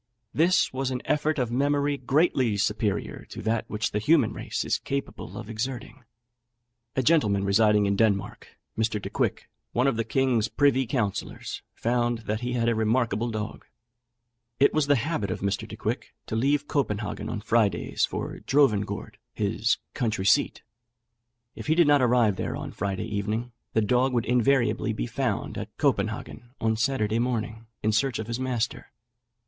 This was an effort of memory greatly superior to that which the human race is capable of exerting." A gentleman residing in Denmark, Mr. Decouick, one of the king's privy councillors, found that he had a remarkable dog. It was the habit of Mr. Decouick to leave Copenhagen on Fridays for Drovengourd, his country seat. If he did not arrive there on the Friday evening, the dog would invariably be found at Copenhagen on Saturday morning, in search of his master.